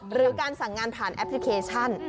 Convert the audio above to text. หรือการสั่งงานผ่านแอปพลิเคชัน